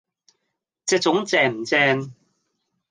隻糉正唔正